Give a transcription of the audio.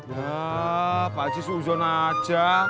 ya pakcik susun aja